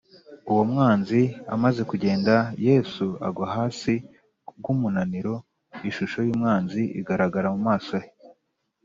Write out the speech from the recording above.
Uwo mwanzi amaze kugenda, Yesu agwa hasi kubw’umunaniro, ishusho y’urupfu igaragara ku maso he